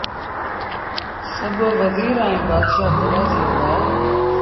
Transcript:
سڀ وزير ائيٚݩ بآتشآ ڀيڙآ ٿئي وهُڙآ